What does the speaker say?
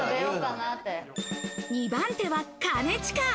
２番手は兼近。